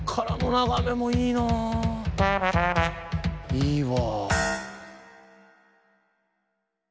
いいわ！